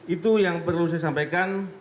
itu yang perlu saya sampaikan